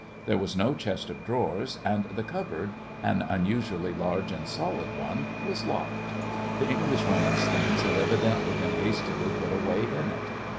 There was no chest of drawers, and the cupboard, an unusually large and solid one, was locked. The Englishwoman's things had evidently been hastily put away in it.